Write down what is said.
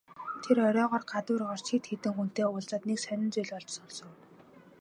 Тэр оройгоо гадуур гарч хэд хэдэн хүнтэй уулзаад нэг сонин зүйл олж сонсов.